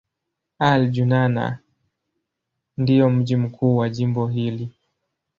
Al-Junaynah ndio mji mkuu wa jimbo hili.